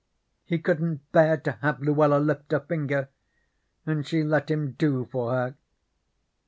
He couldn't bear to have Luella lift her finger, and she let him do for her.